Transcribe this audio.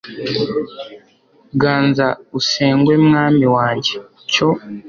ganza usengwe mwami wanjye, cyo